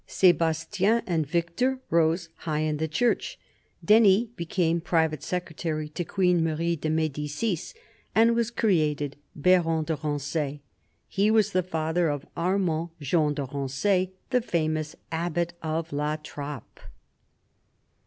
S^bastien and Victor rose high in the Church. Denys became private secretary to Queen Marie de Medicis, and was created Baron de Ranee; he was the father of Armand Jean de Ranee, the famous Abbot of La Trappe.